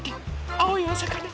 あおいおさかな。